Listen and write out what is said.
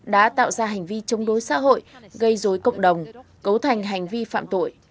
đã tạo ra hành vi chống đối xã hội gây dối cộng đồng cấu thành hành vi phạm tội